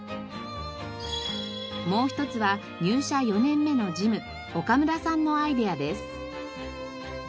もう１つは入社４年目の事務岡村さんのアイデアです。